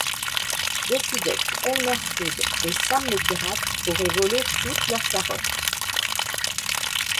Daffy Duck, Elmer Fudd et Sam le pirate auraient volé toutes leurs carottes.